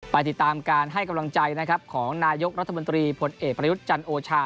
ติดตามการให้กำลังใจนะครับของนายกรัฐมนตรีพลเอกประยุทธ์จันทร์โอชา